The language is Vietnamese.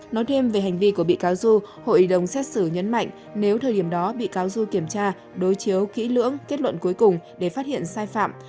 nói thêm về hành vi của bị cáo du hội đồng xét xử nhấn mạnh nếu thời điểm đó bị cáo du kiểm tra đối chiếu kỹ lưỡng kết luận cuối cùng để phát hiện sai phạm